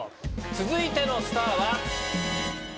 続いてのスターは。